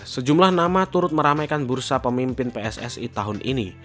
sejumlah nama turut meramaikan bursa pemimpin pssi tahun ini